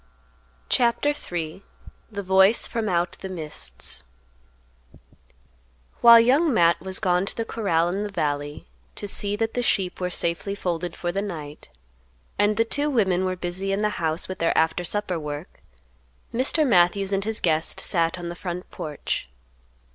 CHAPTER III. THE VOICE FROM OUT THE MISTS. While Young Matt was gone to the corral in the valley to see that the sheep were safely folded for the night, and the two women were busy in the house with their after supper work, Mr. Matthews and his guest sat on the front porch.